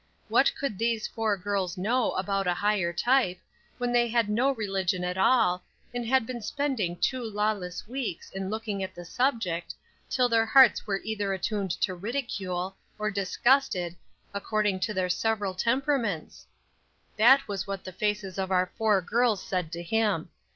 What could these four girls know about a higher type, when they had no religion at all, and had been spending two lawless weeks in looking at the subject, till their hearts were either attuned to ridicule or disgusted, according to their several temperaments? That was what the faces of our four girls said to him.